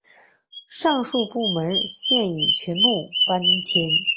上述部门现已全部搬迁。